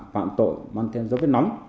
phạm tội mang thêm dấu vết nóng